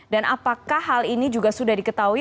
dan apakah hal ini sudah diketahui